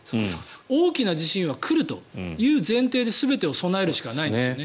大きな地震は来るという前提で全てを備えるしかないんですよね。